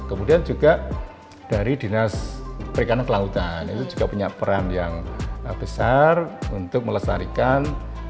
kemudian juga dari dinas perikanan kelautan itu juga punya peran yang besar untuk melestarikan